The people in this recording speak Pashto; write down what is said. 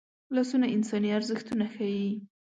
لاسونه انساني ارزښتونه ښيي